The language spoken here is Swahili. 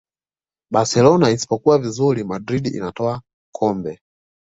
barcelona isipokuwa vizuri madrid inatwaa kombe